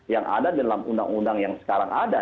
yang ada dalam undang undang yang sekarang ada